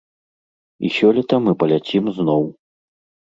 І сёлета мы паляцім зноў.